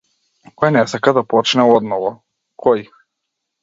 Кој не сака да почне одново, кој?